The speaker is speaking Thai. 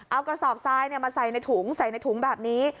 เอากระสอบทรายมาใส่ในถุงใส่ในถุงแบบนี้